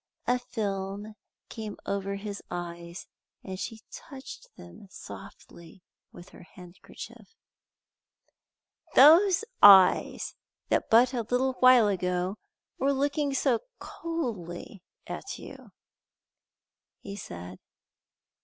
A film came over his eyes, and she touched them softly with her handkerchief. "Those eyes that but a little while ago were looking so coldly at you!" he said.